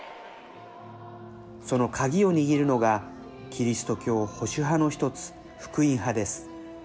その鍵を握るのがキリスト教保守派の１つ福音派です。